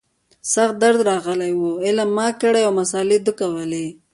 سخت درد راغلى و علم ما کړى او مسالې ده کولې.